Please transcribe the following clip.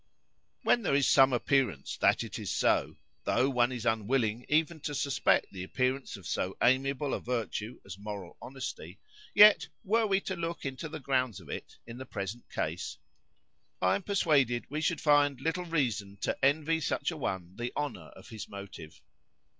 "When there is some appearance that it is so,—tho' one is unwilling even to suspect the appearance of so amiable a virtue as moral honesty, yet were we to look into the grounds of it, in the present case, I am persuaded we should find little reason to envy such a one the honour of his motive.